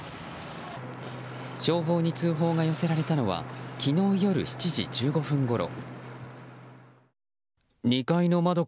消防に通報が寄せられたのは昨日夜７時１５分ごろ。